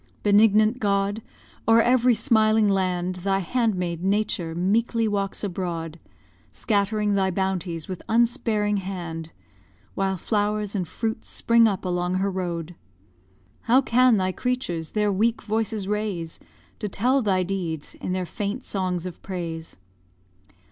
Benignant God! o'er every smiling land, Thy handmaid, Nature, meekly walks abroad, Scattering thy bounties with unsparing hand, While flowers and fruits spring up along her road. How can thy creatures their weak voices raise To tell thy deeds in their faint songs of praise?